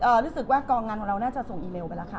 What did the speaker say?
เอกสารอะไรคะ